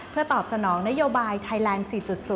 เพื่อตอบสนองนโยบายไทยแลนด์๔๐